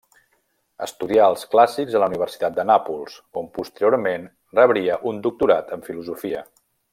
Estudià els clàssics a la Universitat de Nàpols, on posteriorment rebria un Doctorat en Filosofia.